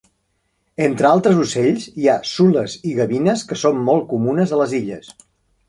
Entre altres ocells, hi ha sules i gavines, que són molt comunes a les illes.